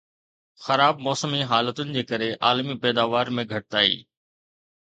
خراب موسمي حالتن جي ڪري عالمي پيداوار ۾ گهٽتائي